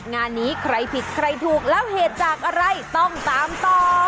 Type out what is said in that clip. งานนี้ใครผิดใครถูกแล้วเหตุจากอะไรต้องตามต่อ